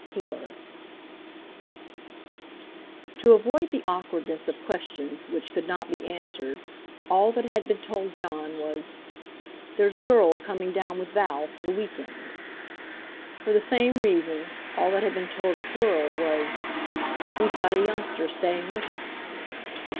—FLEUR To avoid the awkwardness of questions which could not be answered, all that had been told Jon was: "There's a girl coming down with Val for the week end." For the same reason, all that had been told Fleur was: "We've got a youngster staying with us."